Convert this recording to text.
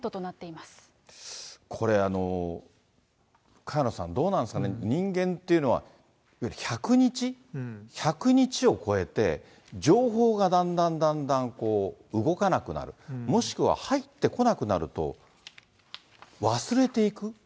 これ、萱野さん、どうなんですかね、人間っていうのは、１００日、１００日を超えて、情報がだんだんだんだん動かなくなる、もしくは入ってこなくなると、忘れていく？